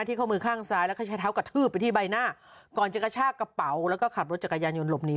ข้อมือข้างซ้ายแล้วก็ใช้เท้ากระทืบไปที่ใบหน้าก่อนจะกระชากกระเป๋าแล้วก็ขับรถจักรยานยนต์หลบหนี